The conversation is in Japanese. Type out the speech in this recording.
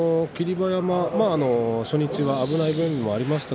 馬山初日は危ない面もありました。